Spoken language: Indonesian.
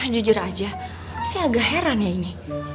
jujur aja saya agak heran ya ini